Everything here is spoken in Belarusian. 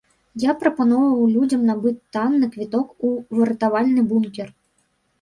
Я прапаноўваў людзям набыць танны квіток у выратавальны бункер.